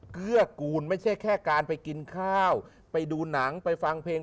เกื้อกูลไม่ใช่แค่การไปกินข้าวไปดูหนังไปฟังเพลง